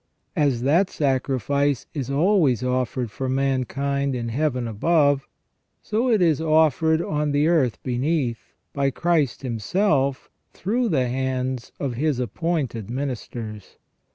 As that sacrifice is always offered for mankind in Heaven above, so is it offered on the earth beneath, by Christ Himself through the hands of His appointed ministers.